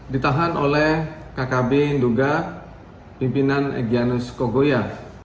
ditahan oleh kkb nduga pimpinan egyanus kogoya